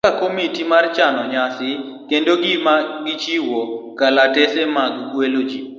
kaka komiti mar chano nyasi kendo gin ema gichiwo kalatese mag gwelo ji